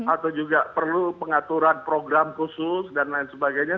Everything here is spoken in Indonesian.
atau juga perlu pengaturan program khusus dan lain sebagainya